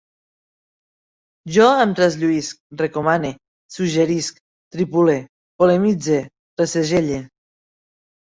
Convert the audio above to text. Jo em traslluïsc, recomane, suggerisc, tripule, polemitze, ressegelle